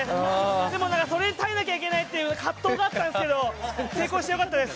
でも、それに耐えなきゃいけないっていう葛藤があったんですけど成功してよかったです。